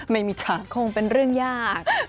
ไม่มีค่ะคงเป็นเรื่องยาก